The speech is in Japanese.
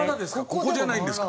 ここじゃないんですか。